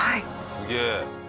すげえ。